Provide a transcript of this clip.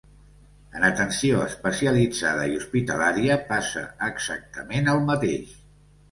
En atenció especialitzada i hospitalària passa exactament el mateix.